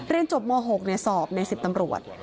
เรียนจบม๖สอบใน๑๐ตำรวจ